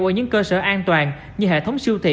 ở những cơ sở an toàn như hệ thống siêu thị